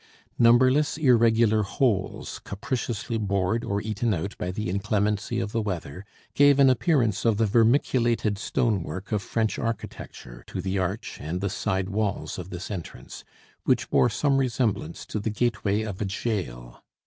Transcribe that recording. Numberless irregular holes, capriciously bored or eaten out by the inclemency of the weather, gave an appearance of the vermiculated stonework of French architecture to the arch and the side walls of this entrance, which bore some resemblance to the gateway of a jail.